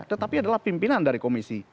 tetapi adalah pimpinan dari komisi